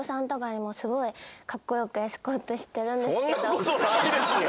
そんな事ないですよ！